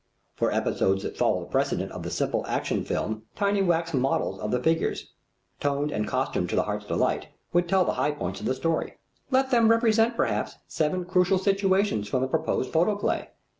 For episodes that follow the precedent of the simple Action Film tiny wax models of the figures, toned and costumed to the heart's delight, would tell the high points of the story. Let them represent, perhaps, seven crucial situations from the proposed photoplay.